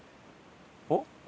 おっ？